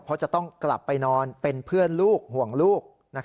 เพราะจะต้องกลับไปนอนเป็นเพื่อนลูกห่วงลูก